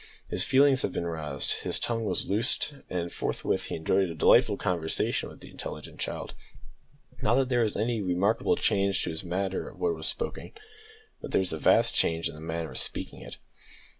His feelings having been roused, his tongue was loosed, and forthwith he enjoyed a delightful conversation with the intelligent child; not that there was any remarkable change as to the matter of what was spoken, but there was a vast change in the manner of speaking it.